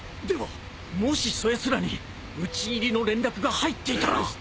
ではもしそやつらに討ち入りの連絡が入っていたら。